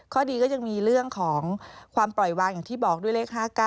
ข้อดีก็ยังมีเรื่องของความปล่อยวางอย่างที่บอกด้วยเลข๕๙